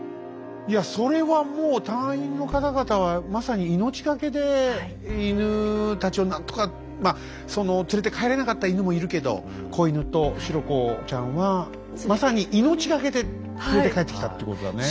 いやそれはもう隊員の方々はまさに命懸けで犬たちを何とかまあ連れて帰れなかった犬もいるけど子犬とシロ子ちゃんはまさに命懸けで連れて帰ってきたってことだね。